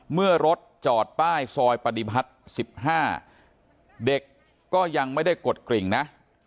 เมื่อรถจอดป้ายซอยปฏิพัฒน์๑๕เด็กก็ยังไม่ได้กดกริ่งนะ